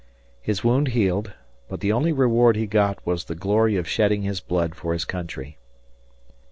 His wound healed, but the only reward he got was the glory of shedding his blood for his country.